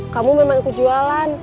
kamu memang kejualan